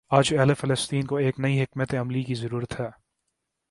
آج اہل فلسطین کو ایک نئی حکمت عملی کی ضرورت ہے۔